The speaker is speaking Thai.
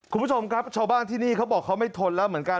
คุณผู้ชมครับชาวบ้านที่นี่เขาบอกเขาไม่ทนแล้วเหมือนกัน